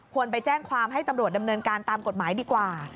ไปแจ้งความให้ตำรวจดำเนินการตามกฎหมายดีกว่า